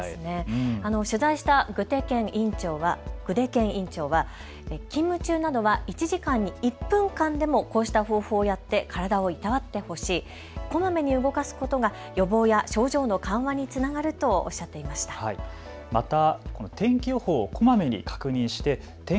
取材した久手堅院長は勤務中などは１時間に１分間でもこうした方法をやって体をいたわって、こまめに動かすことが予防や症状の緩和につながるとおっしゃっていました。